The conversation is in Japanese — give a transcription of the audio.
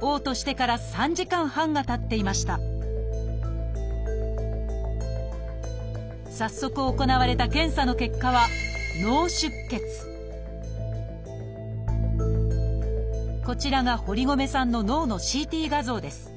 おう吐してから３時間半がたっていました早速行われた検査の結果はこちらが堀米さんの脳のＣＴ画像です。